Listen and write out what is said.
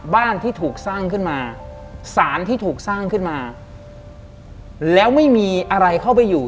บ้านที่ถูกสร้างขึ้นมาสารที่ถูกสร้างขึ้นมาแล้วไม่มีอะไรเข้าไปอยู่